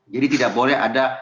jadi tidak boleh ada